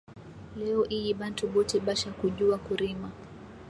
Leo iyi bantu bote basha kujuwa kurima